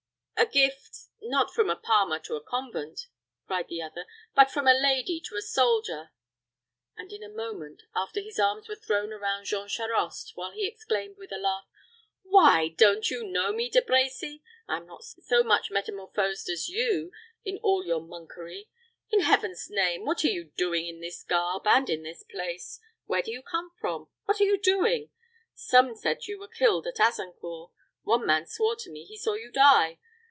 "A gift not from a palmer to a convent," cried the other, "but from a lady to a soldier!" and in a moment after his arms were thrown round Jean Charost, while he exclaimed, with a laugh, "Why, don't you know me, De Brecy? I am not so much metamorphosed as you, in all your monkery. In Heaven's name, what are you doing in this garb, and in this place? Where do you come from? What are you doing? Some said you were killed at Azincourt. One man swore to me he saw you die.